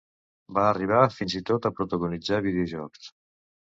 Va arribar fins i tot a protagonitzar videojocs.